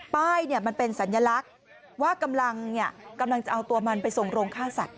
มันเป็นสัญลักษณ์ว่ากำลังจะเอาตัวมันไปส่งโรงฆ่าสัตว